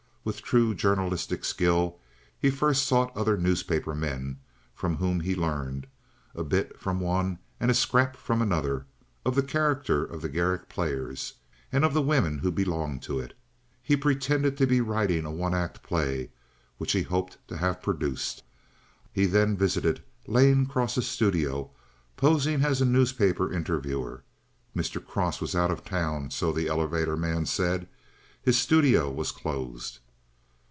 With true journalistic skill he first sought other newspaper men, from whom he learned—a bit from one and a scrap from another—of the character of the Garrick Players, and of the women who belonged to it. He pretended to be writing a one act play, which he hoped to have produced. He then visited Lane Cross's studio, posing as a newspaper interviewer. Mr. Cross was out of town, so the elevator man said. His studio was closed.